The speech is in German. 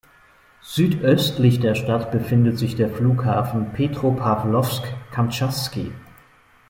Südöstlich der Stadt befindet sich der Flughafen Petropawlowsk-Kamtschatski.